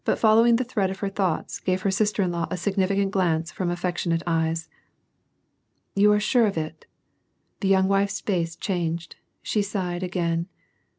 following the thread of her thoughts, gave her sister in law a sig^iiicant glance from her affectionate eyes. " You are sure of it." The young wife's face changed. She sighed again.